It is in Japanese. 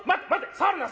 触るな！